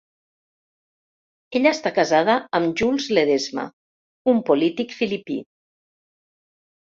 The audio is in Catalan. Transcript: Ella està casada amb Jules Ledesma, un polític filipí.